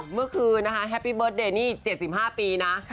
เมื่อคืนนะคะแฮปปี้เบิร์ตเดย์นี่๗๕ปีนะ